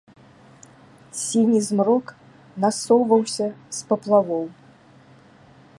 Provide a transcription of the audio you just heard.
Сіні змрок насоўваўся з паплавоў.